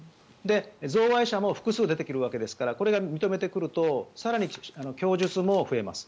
贈賄者も複数出てくるわけですからこれが認めてくると更に供述も増えます。